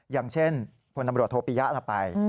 อย่างเช่นพบตรโภปียะฯท่านไป